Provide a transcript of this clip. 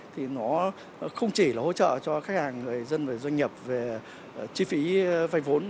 thì nó không chỉ là hỗ trợ cho khách hàng người dân và doanh nghiệp về chi phí vay vốn